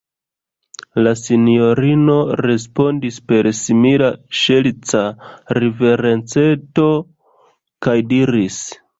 La sinjorino respondis per simila ŝerca riverenceto, kaj diris: